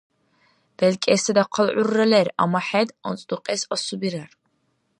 ДелкӀести дахъал гӀурра лер, амма хӀед анцӀдукьес асубирар.